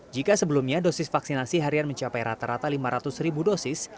jika sebelumnya dosis vaksinasi harian mencapai rata rata lima ratus ribu dosis